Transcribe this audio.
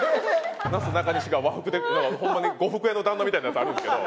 なすなかにしが和服でホンマにみたいなやつあるんですけど